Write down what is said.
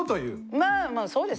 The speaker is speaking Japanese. まあそうです。